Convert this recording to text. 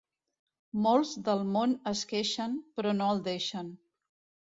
Molts del món es queixen, però no el deixen.